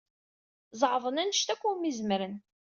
Zeɛḍen anect akk umi zemren.